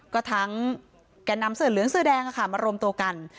ก็ทั้งแก่นำเสื้อเหลืองเสื้อแดงมารวมตัวกัน